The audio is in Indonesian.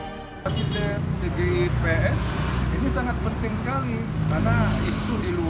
tgipf ini sangat penting sekali karena isu di luar itu bahwa